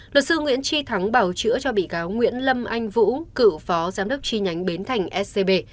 luật sư nguyễn tri thắng bảo chữa cho bị cáo nguyễn lâm anh vũ cựu phó giám đốc tri nhánh bến thành scb